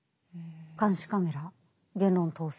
監視カメラ言論統制